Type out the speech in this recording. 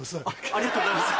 ありがとうございます。